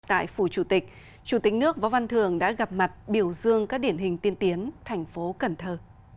tại phủ chủ tịch chủ tịch nước võ văn thường đã gặp mặt biểu dương các điển hình tiên tiến thành phố cần thơ